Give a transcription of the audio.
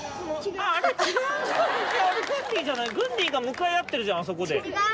グンディが向かい合ってるじゃんあそこで。